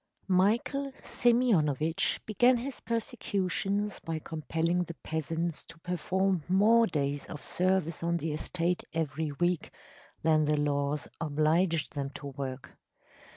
Michael Simeonovitch began his persecutions by compelling the peasants to perform more days of service on the estate every week than the laws obliged them to work.